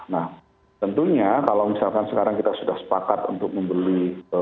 nah tentunya kalau misalkan sekarang kita sudah sepakat untuk membeli empat puluh dua